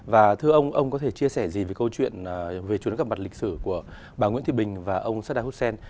và thưa ông ông có thể chia sẻ gì về câu chuyện về chuyến gặp mặt lịch sử của bà nguyễn thị bình và ông sardahusen